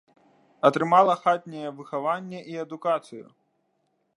Атрымала хатняе выхаванне і адукацыю.